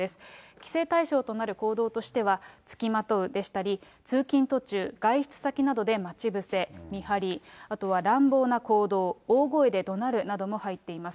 規制対象となる行動としては、付きまとうでしたり、通勤途中、外出先などで待ち伏せ、見張り、あとは乱暴な行動、大声でどなるなども入っています。